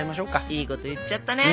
いいこと言っちゃったね